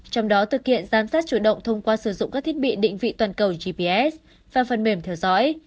trong đó thực hiện giám sát chủ động thông qua sử dụng các thiết bị định vị toàn cầu gps và phần mềm theo dõi